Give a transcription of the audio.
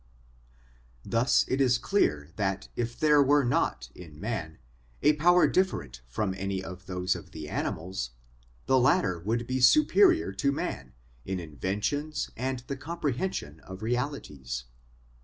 Thus it is clear that if there were not in man a power different from any of those of the animals, the latter would be superior to man in inventions and the comprehension of realities.